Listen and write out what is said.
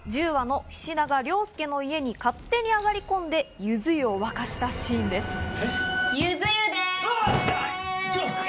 １０話の菱田が凌介の家に勝手に上がり込んで、ゆず湯を沸かしたシーンです。